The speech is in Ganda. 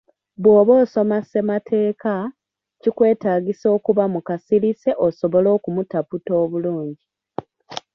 Bwoba osoma ssemateeka, kikwetaagisa okuba mu kasirise osobole okumutaputa obulungi.